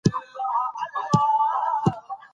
دا سیمه هم د کوز خوات په شان